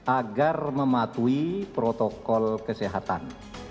agar mematuhi protokol kesehatan